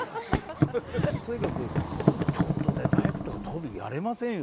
とにかくちょっとね大工とか鳶やれませんよ。